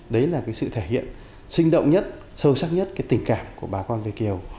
đấy là cái sự thể hiện sinh động nhất sâu sắc nhất tình cảm của bà con việt kiều